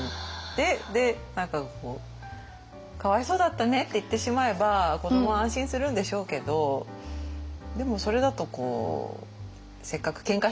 何かこう「かわいそうだったね」って言ってしまえば子どもは安心するんでしょうけどでもそれだとせっかくけんかした意味がないっていうか